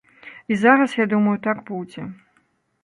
І зараз, я думаю, так будзе.